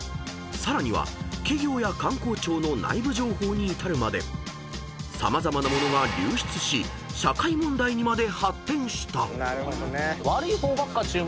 さらには企業や官公庁の内部情報に至るまで様々な物が流出し社会問題にまで発展した］